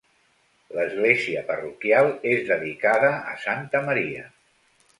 L'església parroquial és dedicada a santa Maria.